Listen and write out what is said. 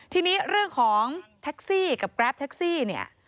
ทีนี้เรื่องของแท็กซี่กับแกรปแท็กซี่เนี่ย